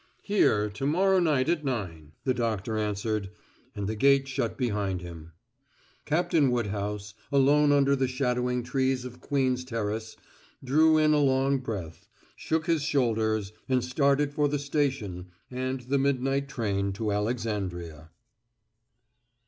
"Here to morrow night at nine," the doctor answered, and the gate shut behind him. Captain Woodhouse, alone under the shadowing trees of Queen's Terrace, drew in a long breath, shook his shoulders and started for the station and the midnight train to Alexandria.